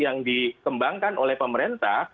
yang dikembangkan oleh pemerintah